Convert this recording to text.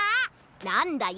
なんだよ！